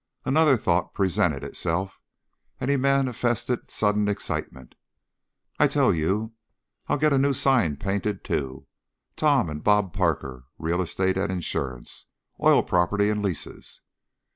Another thought presented itself, and he manifested sudden excitement. "I tell you! I'll get a new sign painted, too! 'Tom and Bob Parker. Real Estate and Insurance. Oil Prop'ties and Leases.'